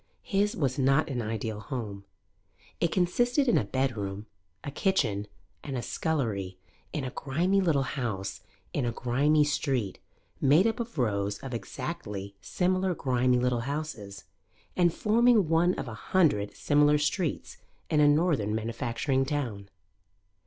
His was not an ideal home; it consisted in a bedroom, a kitchen and a scullery in a grimy little house in a grimy street made up of rows of exactly similar grimy little houses, and forming one of a hundred similar streets in a northern manufacturing town.